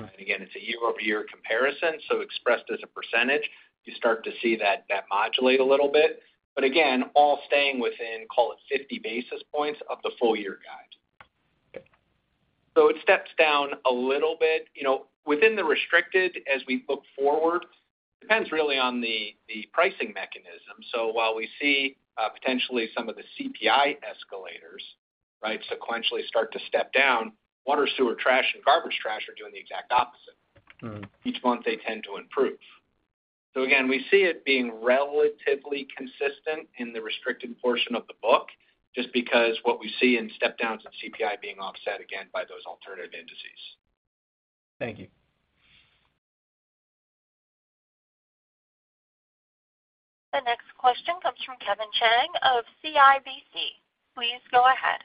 Mm-hmm. Again, it's a year-over-year comparison, so expressed as a percentage, you start to see that, that modulate a little bit. Again, all staying within, call it, 50 basis points of the full year guide. It steps down a little bit. You know, within the restricted, as we look forward, depends really on the, the pricing mechanism. While we see, potentially some of the CPI escalators, right, sequentially start to step down, water, sewer, trash, and garbage trash are doing the exact opposite. Mm. Each month, they tend to improve. Again, we see it being relatively consistent in the restricted portion of the book, just because what we see in step downs of CPI being offset again by those alternative indices. Thank you. The next question comes from Kevin Chiang of CIBC. Please go ahead.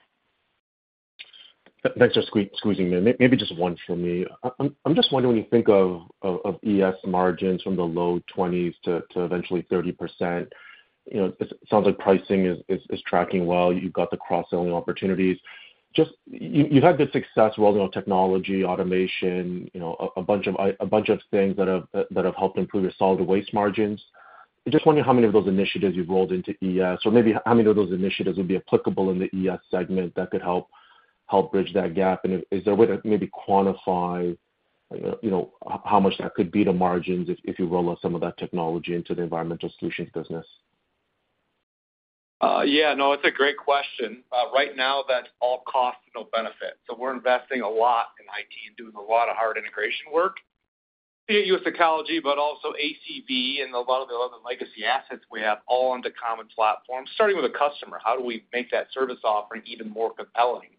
Thanks for squeezing me in. Maybe just one for me. I'm, I'm just wondering, when you think of, of, of ES margins from the low 20s to, to eventually 30%, you know, it sounds like pricing is, is, is tracking well. You've got the cross-selling opportunities. Just you've had good success rolling out technology, automation, you know, a bunch of, a bunch of things that have, that have helped improve your solid waste margins. I just wondering how many of those initiatives you've rolled into ES, or maybe how many of those initiatives would be applicable in the ES segment that could help, help bridge that gap? Is, is there a way to maybe quantify, you know, how much that could be the margins if, if you roll out some of that technology into the environmental solutions business? Yeah, no, it's a great question. Right now, that's all cost, no benefit. We're investing a lot in IT and doing a lot of hard integration work. Be it US Ecology, but also ACV Enviro and a lot of the other legacy assets we have all on the common platform, starting with the customer. How do we make that service offering even more compelling?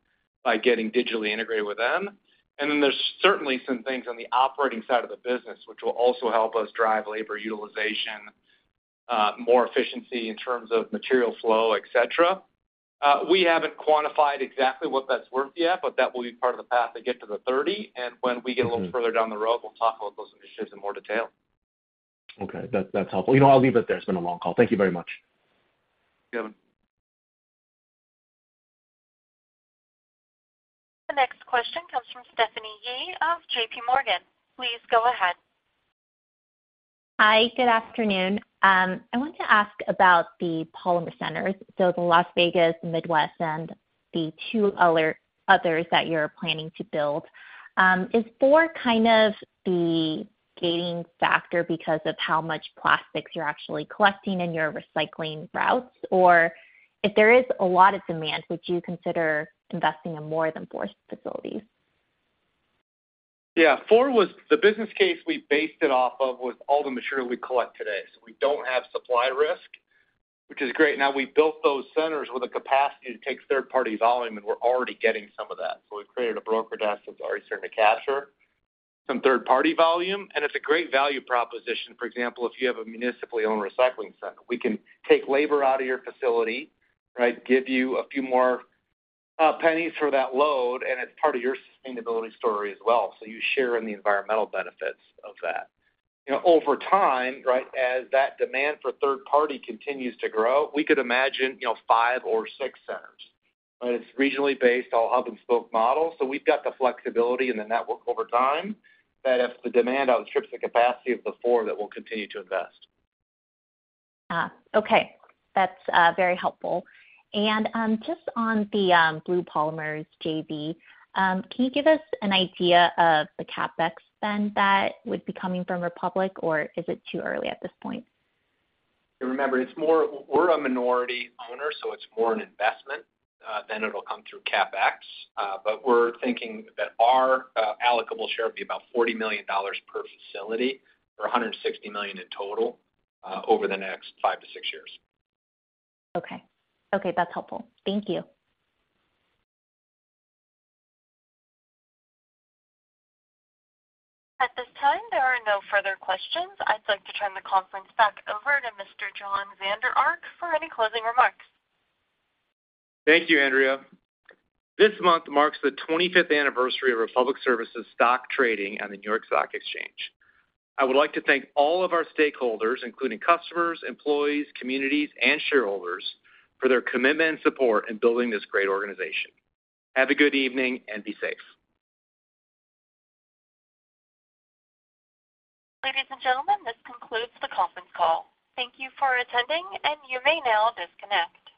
By getting digitally integrated with them. Then there's certainly some things on the operating side of the business, which will also help us drive labor utilization, more efficiency in terms of material flow, et cetera. We haven't quantified exactly what that's worth yet, but that will be part of the path to get to the 30. When we get a little further down the road, we'll talk about those initiatives in more detail. Okay, that, that's helpful. You know, I'll leave it there. It's been a long call. Thank you very much. Kevin. The next question comes from Stephanie Yee of JPMorgan. Please go ahead. Hi, good afternoon. I want to ask about the Polymer Centers, so the Las Vegas, Midwest, and the two other, others that you're planning to build. Is four kind of the gating factor because of how much plastics you're actually collecting in your recycling routes, or if there is a lot of demand, would you consider investing in more than four facilities? Yeah, four was. The business case we based it off of was all the material we collect today. We don't have supply risk, which is great. Now, we built those centers with a capacity to take third-party volume, and we're already getting some of that. We've created a broker desk that's already starting to capture some third-party volume, and it's a great value proposition. For example, if you have a municipally owned recycling center, we can take labor out of your facility, right? Give you a few more, pennies for that load, and it's part of your sustainability story as well, so you share in the environmental benefits of that. You know, over time, right, as that demand for third-party continues to grow, we could imagine, you know, five or six centers. It's regionally based, all hub-and-spoke model, so we've got the flexibility in the network over time, that if the demand outstrips the capacity of the 4, that we'll continue to invest. Okay. That's very helpful. Just on the Blue Polymers JV, can you give us an idea of the CapEx spend that would be coming from Republic, or is it too early at this point? Remember, We're a minority owner, so it's more an investment than it'll come through CapEx. But we're thinking that our allocable share would be about $40 million per facility or $160 million in total over the next five to six years. Okay. Okay, that's helpful. Thank you. At this time, there are no further questions. I'd like to turn the conference back over to Mr. Jon Vander Ark for any closing remarks. Thank you, Andrea. This month marks the 25th anniversary of Republic Services stock trading on the New York Stock Exchange. I would like to thank all of our stakeholders, including customers, employees, communities, and shareholders, for their commitment and support in building this great organization. Have a good evening and be safe. Ladies and gentlemen, this concludes the conference call. Thank you for attending, and you may now disconnect.